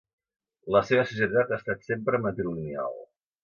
La seva societat ha estat sempre matrilineal.